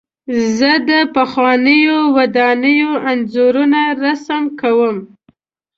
زه د پخوانیو ودانیو انځورونه رسم کوم.